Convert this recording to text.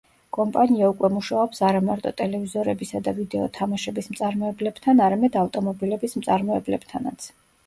კომპანია უკვე მუშაობს არამარტო ტელევიზორებისა და ვიდეო თამაშების მწარმოებლებთან, არამედ ავტომობილების მწარმოებლებთანაც.